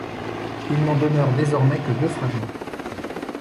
Il n'en demeure désormais que deux fragments.